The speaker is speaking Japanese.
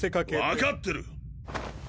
分かってる！